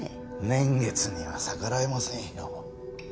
年月には逆らえませんよ。